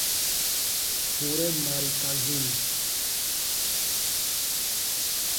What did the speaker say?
Forêt marécageuse.